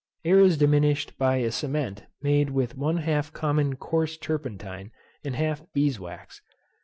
Air is diminished by a cement made with one half common coarse turpentine and half bees wax.